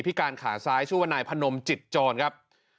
การขาซ้ายชื่อว่านายพนมจิตจรครับ